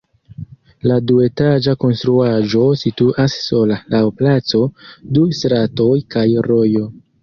La duetaĝa konstruaĵo situas sola laŭ placo, du stratoj kaj rojo.